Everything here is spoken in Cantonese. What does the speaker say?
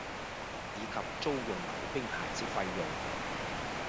以及租用溜冰鞋之費用